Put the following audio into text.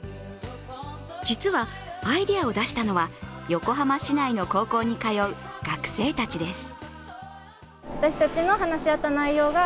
実は、アイデアを出したのは横浜市内の高校の通う学生たちです。